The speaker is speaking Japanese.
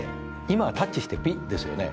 今はタッチしてピッですよね。